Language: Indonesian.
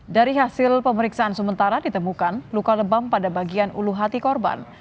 dari hasil pemeriksaan sementara ditemukan luka lebam pada bagian ulu hati korban